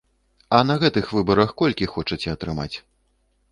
А на гэтых выбарах колькі хочаце атрымаць?